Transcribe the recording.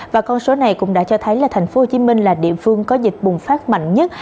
và con số này cũng đã cho thấy là tp hcm là địa phương có dịch bùng phát mạnh nhất